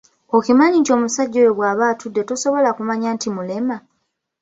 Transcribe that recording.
Okimanyi omusajja oyo bwaba atudde tosobola kumanya nti mulema